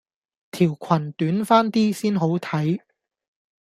條群短翻啲先好睇